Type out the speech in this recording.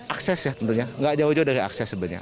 akses ya tentunya nggak jauh jauh dari akses sebenarnya